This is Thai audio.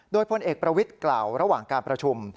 โดยผลเอกประวิดวงสวรรค์กล่าวระหว่างการประชุม